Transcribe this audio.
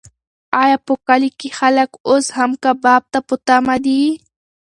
ایا په کلي کې خلک اوس هم کباب ته په تمه دي؟